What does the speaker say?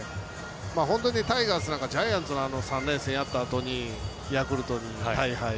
本当にタイガースなんかジャイアンツとの３連戦やったあとにヤクルトに大敗。